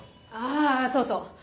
あぁそうそう。